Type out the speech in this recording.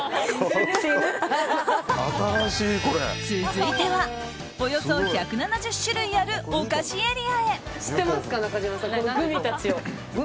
続いてはおよそ１７０種類あるお菓子エリアへ。